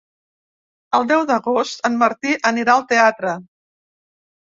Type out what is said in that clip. El deu d'agost en Martí anirà al teatre.